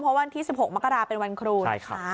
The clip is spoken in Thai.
เพราะวันที่๑๖มกราเป็นวันครูนะคะ